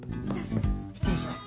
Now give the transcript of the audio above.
失礼します。